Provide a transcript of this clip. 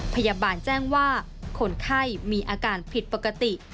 พยาบาลแจ้งว่าคนไข้มีอาการผิดปกติ